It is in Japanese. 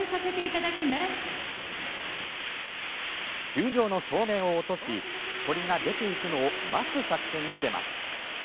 球場の照明を落とし鳥が出ていくのを待つ作戦に出ます。